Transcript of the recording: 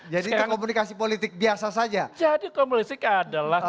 jadi komunikasi politik adalah